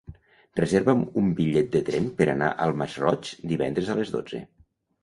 Reserva'm un bitllet de tren per anar al Masroig divendres a les dotze.